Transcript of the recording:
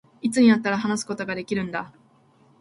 いつになったら、話すことができるんだ